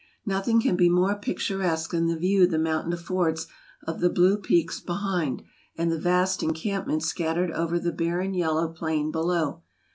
Nothing can be more picturesque than the view the mountain affords of the blue peaks behind, and the vast en campment scattered over the barren yellow plain below.